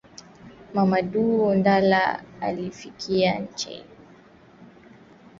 Mamadu Ndala alikufia inchi yake